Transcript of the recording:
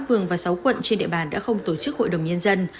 bốn mươi năm phường và sáu quận trên địa bàn đã không tổ chức hội đồng nhân dân